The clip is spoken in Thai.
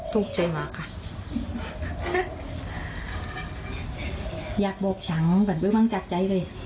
ทูกใจมากค่ะ